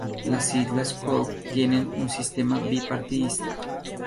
Las Islas Cook tienen un sistema bipartidista.